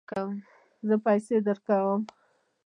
زه پیسې درکوم